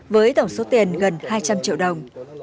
với tổng số tiền gần hai trăm linh triệu đồng